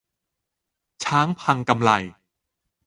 'ช้างพังกำไล'